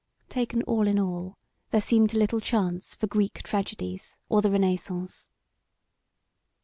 Taken all in all there seemed little chance for Greek tragedies or the Renaissance.